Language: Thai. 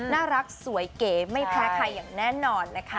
น่ารักสวยเก๋ไม่แพ้ใครอย่างแน่นอนนะคะ